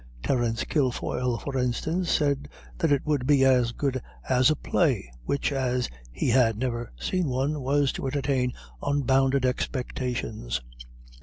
Terence Kilfoyle, for instance, said that it would be as good as a Play, which, as he had never seen one, was to entertain unbounded expectations.